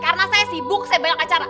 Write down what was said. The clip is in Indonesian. karena saya sibuk saya belakang acara